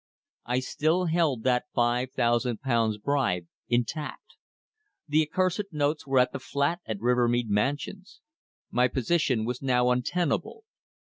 I still held that five thousand pounds bribe intact. The accursed notes were at the flat at Rivermead Mansions. My position was now untenable.